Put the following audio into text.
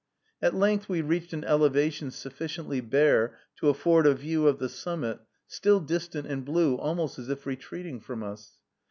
At length we reached an elevation sufficiently bare to afford a view of the summit, still distant and blue, almost as if retreating from us.